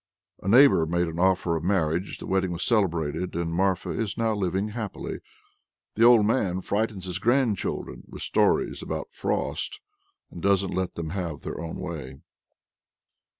A neighbor made an offer of marriage, the wedding was celebrated, and Marfa is now living happily. The old man frightens his grandchildren with (stories about) Frost, and doesn't let them have their own way.